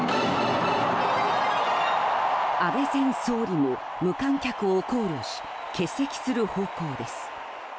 安倍前総理も無観客を考慮し欠席する方向です。